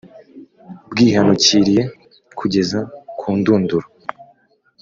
bwihanukiriye kugeza ku ndunduro,